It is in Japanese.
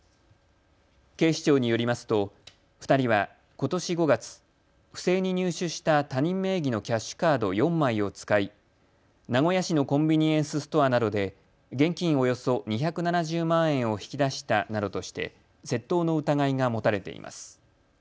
警視庁によりますと２人はことし５月、不正に入手した他人名義のキャッシュカード４枚を使い名古屋市のコンビニエンスストアなどで現金およそ２７０万円を引き出したなどとして窃盗の疑いが持たれています。